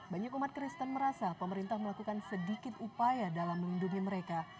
banyak umat kristen merasa pemerintah melakukan sedikit upaya dalam melindungi mereka